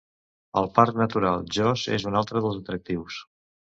El Parc Natural Jos és un altre dels atractius.